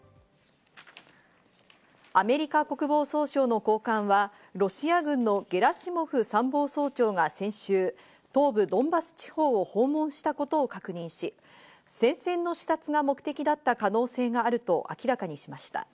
アメリカ国防総省の高官はロシア軍のゲラシモフ参謀総長が先週、東部ドンバス地方を訪問したことを確認し、戦線の視察が目的だった可能性があると明らかにしました。